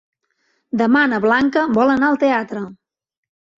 Demà na Blanca vol anar al teatre.